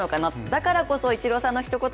だからこそ、イチローさんの一言